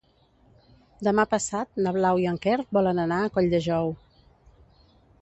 Demà passat na Blau i en Quer volen anar a Colldejou.